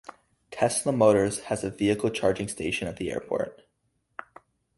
Tesla Motors has a vehicle charging station at the airport.